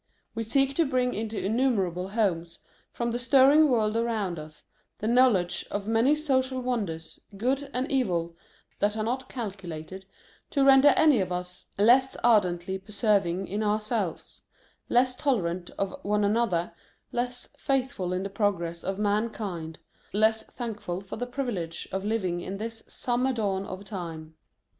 We seek to bring into innumerable homes, from the stirring world around us, the know ledge of many social wonders, good and evil, that are not calculated to render any of us less ardently persevering in ourselves, less tolerant of one another, less faithful hi the progress of mankind, less thankful for the privilege of living in this summer dawn of time.